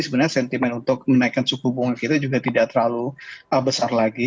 sebenarnya sentimen untuk menaikkan suku bunga kita juga tidak terlalu besar lagi